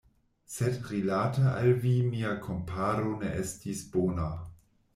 Sed rilate al vi mia komparo ne estis bona.